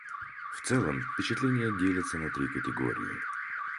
В целом впечатления делятся на три категории.